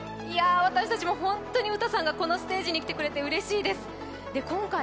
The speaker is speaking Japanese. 私たちも本当にウタさんがこのステージに来てくれてうれしいです。